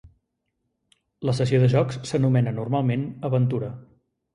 La sessió de jocs s'anomena, normalment, aventura.